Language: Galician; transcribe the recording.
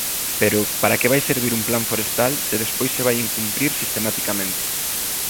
Pero ¿para que vai servir un plan forestal se despois se vai incumprir sistematicamente?